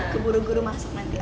keburu buru masuk nanti